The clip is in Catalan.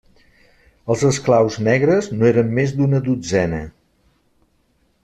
Els esclaus negres no eren més d'una dotzena.